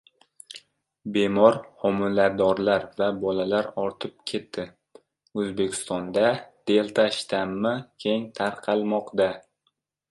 Bemor homiladorlar va bolalar ortib ketdi — O‘zbekistonda “delta” shtammi keng tarqalmoqda